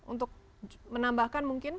untuk menambahkan mungkin